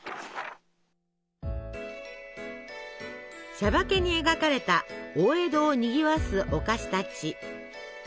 「しゃばけ」に描かれた大江戸をにぎわすお菓子たち。